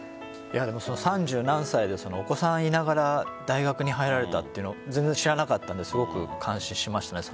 三十何歳でお子さんがいながら大学に入られたというのは全然知らなかったのですごく感心しました。